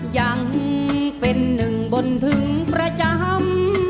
ยังเป็นหนึ่งบนถึงประจำ